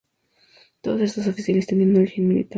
Todos estos oficiales tenían origen militar.